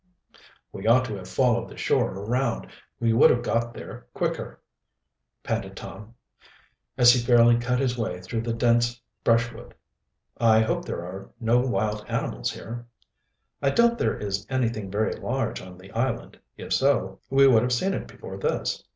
"We ought to have followed the shore around we would have got there quicker," panted Tom, as he fairly cut his way through the dense brush wood. "I hope there are no wild animals here." "I doubt if there is anything very large on the island. If so, we would have seen it before this."